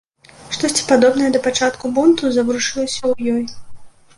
Штосьці падобнае да пачатку бунту заварушылася ў ёй.